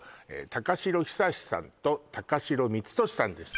高城久さんと高城光寿さんです